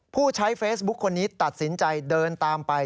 ผู้ใช้เฟซบุ๊คคนนี้ตัดสินใจเดินตามไป